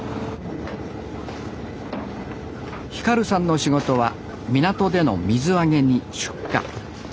輝さんの仕事は港での水揚げに出荷。